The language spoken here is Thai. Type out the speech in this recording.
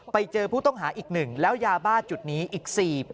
ไปเจอผู้ต้องหาอีกหนึ่งแล้วยาบ้าจุดนี้อีก๔